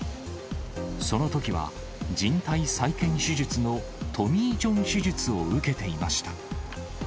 そのときは、じん帯再建手術のトミー・ジョン手術を受けていました。